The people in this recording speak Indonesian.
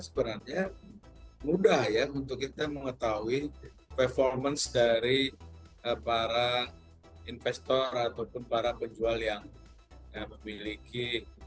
sebenarnya mudah ya untuk kita mengetahui performance dari para investor ataupun para penjual yang memiliki